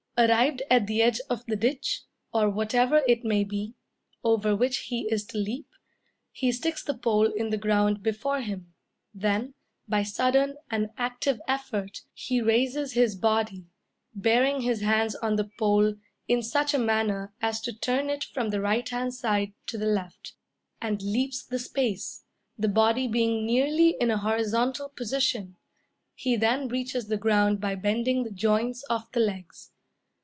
Arrived at the edge of the ditch, or whatever it may be, over which he is to leap, he sticks the pole in the ground before him, then, by sudden and active effort, he raises his body, bearing his hands on the pole in such a manner as to turn it from the right hand side to the left, and leaps the space, the body being nearly in a horizontal position; he then reaches the ground by bending the joints of the legs.